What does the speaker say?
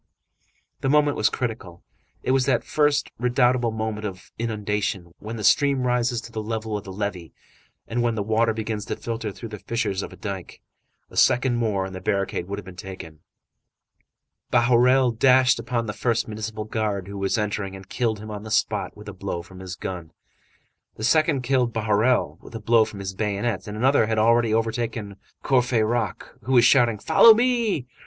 The moment was critical. It was that first, redoubtable moment of inundation, when the stream rises to the level of the levee and when the water begins to filter through the fissures of dike. A second more and the barricade would have been taken. Bahorel dashed upon the first municipal guard who was entering, and killed him on the spot with a blow from his gun; the second killed Bahorel with a blow from his bayonet. Another had already overthrown Courfeyrac, who was shouting: "Follow me!"